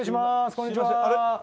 こんにちは。